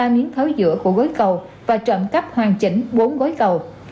ba miếng thớ giữa của gối cầu và trộn cắp hoàn chỉnh bốn gối cầu